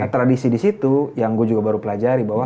tradisi di situ yang gue juga baru pelajari bahwa